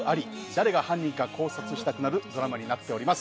誰が犯人か考察したくなるドラマになっております。